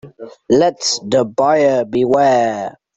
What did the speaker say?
Let the buyer beware.